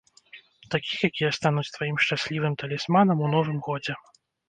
Такіх, якія стануць тваім шчаслівым талісманам у новым годзе.